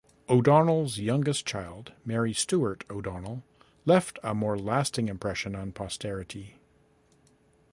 O'Donnell's youngest child, Mary Stuart O'Donnell, left a more lasting impression on posterity.